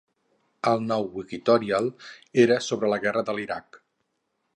El nou Wikitorial era sobre la Guerra de l'Iraq.